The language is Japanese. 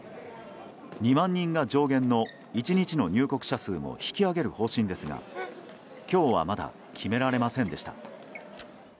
２万人が上限の１日の入国者数も引き上げる方針ですが今日はまだ決められませんでした。